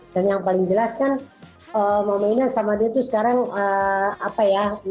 dan yang paling jelas kan mama ina sama dia itu sekarang apa ya